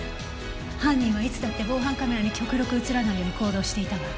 犯人はいつだって防犯カメラに極力映らないように行動していたわ。